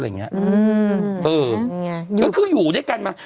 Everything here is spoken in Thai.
ก็คืออยู่ด้วยกันมา